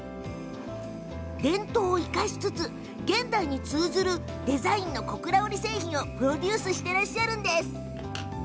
伝統を生かしつつ現代に通じるデザインの小倉織製品をプロデュースしていらっしゃいます。